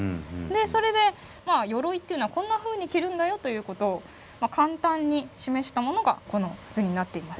それで鎧っていうのはこんなふうに着るんだよということを簡単に示したものがこの図になっています。